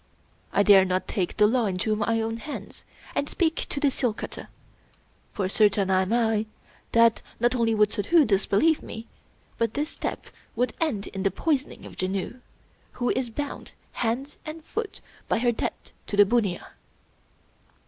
I dare not again take the law into my own hands, and speak to the seal cutter; for certain am I that, not 35 English Mystery Stories only would Suddhoo disbelieve me, but this step would end in the poisoning of Janoo, who is bound hand and foot by her debt to the bunnia.